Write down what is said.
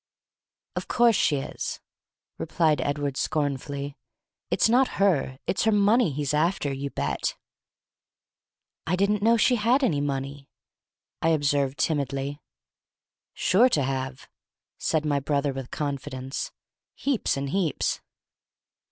"Of course she is," replied Edward, scornfully. "It's not her, it's her money he's after, you bet!" "Didn't know she had any money," I observed timidly. "Sure to have," said my brother, with confidence. "Heaps and heaps."